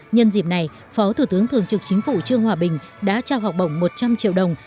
nhân dịp này phó thủ tướng thường trực chính phủ trương hòa bình đã trao học bổng một trăm linh triệu đồng